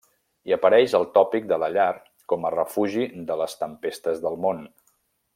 Hi apareix el tòpic de la llar com a refugi de les tempestes del món.